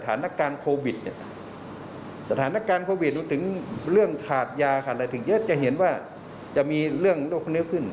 ถ้าการพวิทย์รู้ถึงเรื่องขาดยาขาดอะไรถึงเยอะจะเห็นว่าจะมีเรื่องโรคเนื้อขึ้น